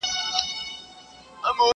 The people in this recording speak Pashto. تر پاچا پوري عرض نه سو رسېدلای!!